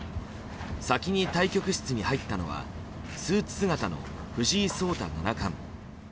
先に対局室に入ったのはスーツ姿の藤井聡太七冠。